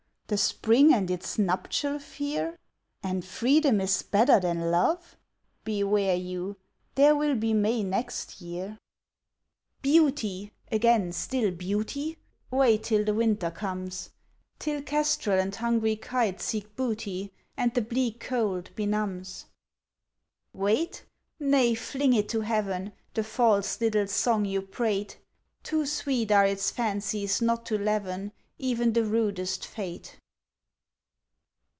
The Spring and its nuptial fear? "And freedom is better than love?" beware you, There will be May next year! "Beauty!" again, still "beauty"? Wait till the winter comes! Till kestrel and hungry kite seek booty And the bleak cold benumbs! Wait? nay, fling it to heaven The false little song you prate! Too sweet are its fancies not to leaven Even the rudest fate!